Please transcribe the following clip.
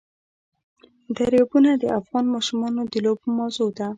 دریابونه د افغان ماشومانو د لوبو موضوع ده.